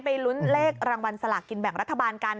ลุ้นเลขรางวัลสลากกินแบ่งรัฐบาลกัน